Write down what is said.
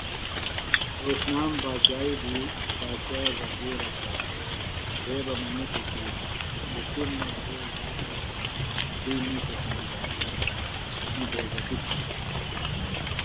رھوشنام باچائی دھی باچاے وزِیرہ تھےۡ رے بہ منِیتوۡ کیۡ ”تُسِم مہ بھیول روتہ دُئیۡ مِیشہ سنگیۡ باسا می بھیزتیۡ تِھیلیۡ